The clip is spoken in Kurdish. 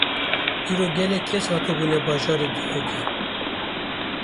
îro gelek kes hatibûne bajarê Duhokê